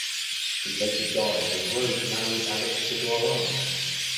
She later died and Rogues married Alix de Garland.